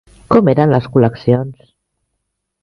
Com eren les col·leccions?